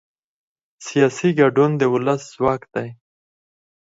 سیاسي ګډون د ولس ځواک دی